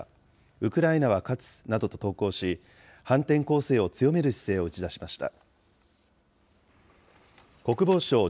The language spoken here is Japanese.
ウクライナは勝つなどと投稿し、反転攻勢を強める姿勢を打ち出しました。